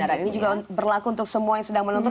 ini juga berlaku untuk semua yang sedang menonton